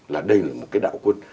là đây là một cái đạo quân